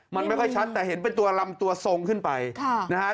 มันไม่ค่อยชัดแต่เห็นเป็นตัวลำตัวทรงขึ้นไปนะฮะ